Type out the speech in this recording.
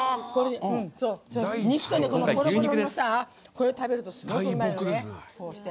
肉と食べるとすごいうまいのね。